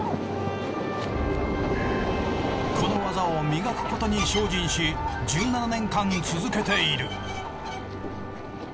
この技を磨くことに精進し１７年間続けている。